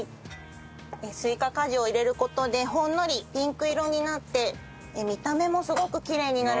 スイカ果汁を入れる事でほんのりピンク色になって見た目もすごくきれいになるんです。